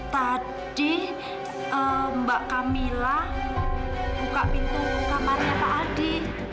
tadi mbak camilla buka pintu kamarnya pak adi